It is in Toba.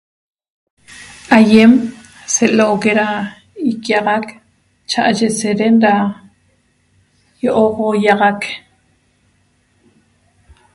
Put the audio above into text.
Aiem selo'ogue ra iquiaxac cha'aye seren ra io'oguiaxac